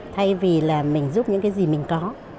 thay vì là mình giúp những cái gì mình có